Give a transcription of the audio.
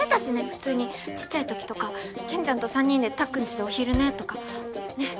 普通にちっちゃいときとかけんちゃんと３人でたっくんちでお昼寝とかねっ。